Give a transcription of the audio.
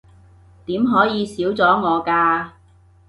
點可以少咗我㗎